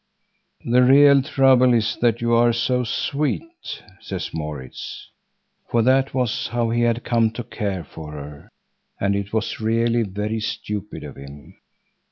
"The real trouble is that you are so sweet," says Maurits; for that was how he had come to care for her, and it was really very stupid of him.